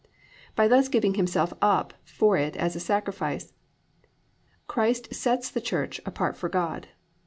By thus giving Himself up for it as a sacrifice Christ sets the Church apart for God.